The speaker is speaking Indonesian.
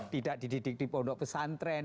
tidak dididik di pondok pesantren